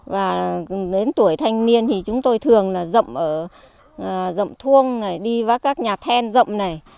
và đến tuổi thanh niên thì chúng tôi thường dậm ở dậm thuông đi vào các nhà then dậm này